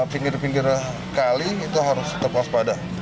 pinggir pinggir kali itu harus tetap puas pada